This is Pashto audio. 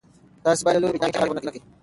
تاسي باید د لوبې په میدان کې غږ ونه کړئ.